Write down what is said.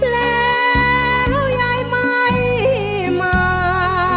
แล้วยายไม่มา